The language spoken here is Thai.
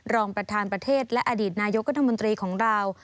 รองประธานประเทศและอดีตนายกรัฐมนตรีของเรา